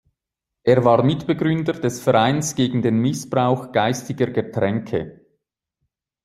Er war Mitbegründer des Vereins gegen den Missbrauch geistiger Getränke.